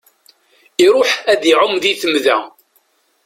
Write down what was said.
Iṛuḥ ad iɛum di temda.